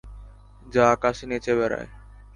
যা আকাশে নেচে বেড়ায়।